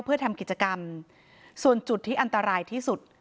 เพื่อทำกิจกรรมส่วนจุดที่อันตรายที่สุด